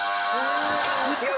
違う。